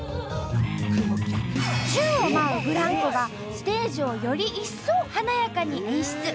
宙を舞うブランコがステージをより一層華やかに演出。